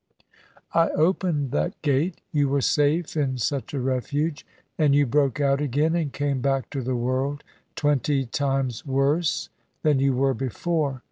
"I opened that gate. You were safe in such a refuge; and you broke out again and came back to the world, twenty times worse than you were before.